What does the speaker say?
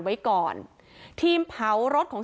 นี่คือรถคันที่เกิดเหตุจริง